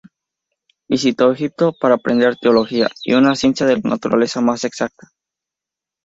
Visitó Egipto para aprender teología y una ciencia de la naturaleza más exacta.